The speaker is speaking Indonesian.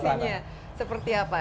sensasinya seperti apa